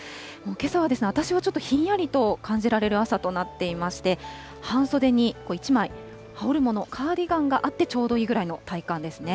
けさは私はちょっとひんやりと感じられる朝となっていまして、半袖に１枚羽織るもの、カーディガンがあってちょうどいいぐらいの体感ですね。